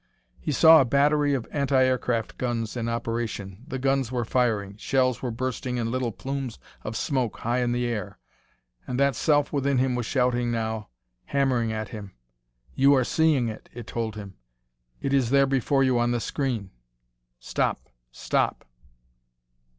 He saw a battery of anti aircraft guns in operation; the guns were firing; shells were bursting in little plumes of smoke high in the air. And that self within him was shouting now, hammering at him; "You are seeing it," it told him; "it is there before you on the screen. Stop! Stop!"